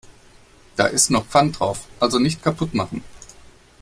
Da ist noch Pfand drauf, also nicht kaputt machen.